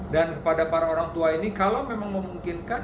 dan kepada para orang tua ini kalau memang memungkinkan